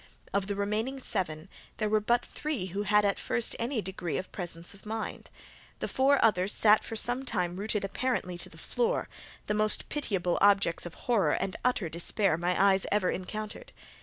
Of the remaining seven, there were but three who had at first any degree of presence of mind. The four others sat for some time rooted apparently to the floor, the most pitiable objects of horror and utter despair my eyes ever encountered.